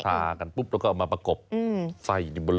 ทากันปุ๊บแล้วก็เอามาประกบใส่อยู่บนเรือ